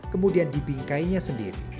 kemudian dibingkainya sendiri